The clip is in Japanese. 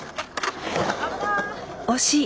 惜しい！